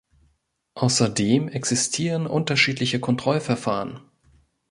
Außerdem existieren unterschiedliche Kontrollverfahren.